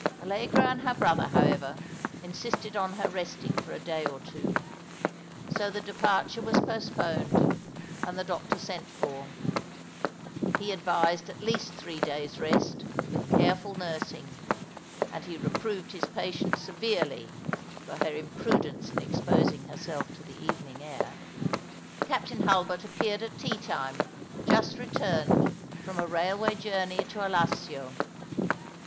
Allegra and her brother, however, insisted on her resting for a day or two. So the departure was post poned, and the doctor sent for. He advised at least three days' rest, with careful nursing ; and he reproved his patient severely for her imprudence in exposing herself to the evening air. Captain Hulbert appeared at teatime, just returned from a railway journey to Allassio.